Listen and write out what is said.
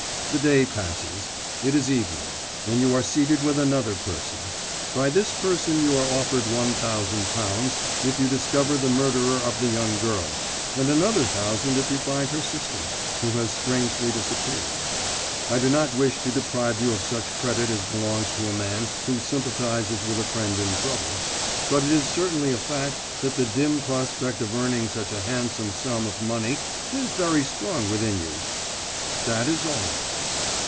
The day passes. It is evening, and you are seated with another person. By this person you are offered one thousand pounds if you discover the murderer of the young girl, and another thousand if you find her sister, who has strangely disappeared. I do not wish to deprive you of such credit as belongs to a man who sympathises with a friend in trouble; but it is certainly a fact that the dim prospect of earning such a handsome sum of money is very strong within you. That is all."